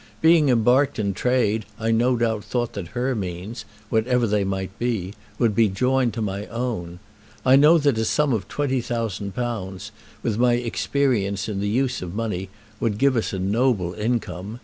Being embarked in trade I no doubt thought that her means, whatever they might be, would be joined to my own. I know that a sum of £20,000, with my experience in the use of money, would give us a noble income.